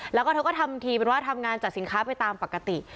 แล้วก็เธอก็ทำทีเป็นว่าทำงานจัดสินค้าไปตามปกติ